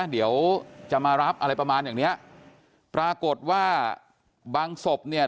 เดี๋ยวจะมารับอะไรประมาณอย่างเนี้ยปรากฏว่าบางศพเนี่ย